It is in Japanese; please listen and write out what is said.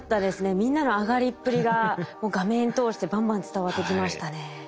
みんなの上がりっぷりがもう画面通してバンバン伝わってきましたね。